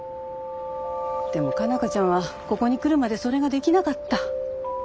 でも佳奈花ちゃんはここに来るまでそれができなかった。